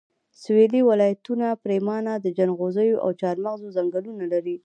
سويلي ولایتونه پرېمانه د جنغوزیو او چارمغزو ځنګلونه لري